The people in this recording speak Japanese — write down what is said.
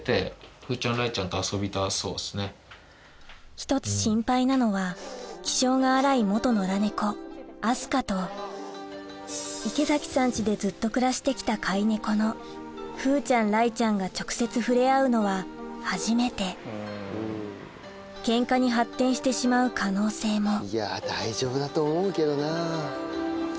１つ心配なのは気性が荒い野良猫明日香と池崎さん家でずっと暮らして来た飼い猫の風ちゃん雷ちゃんが直接触れ合うのは初めてケンカに発展してしまう可能性もいや大丈夫だと思うけどな。